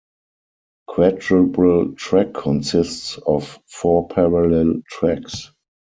Quadruple track consists of four parallel tracks.